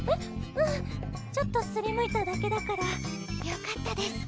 うんちょっとすりむいただけだからよかったです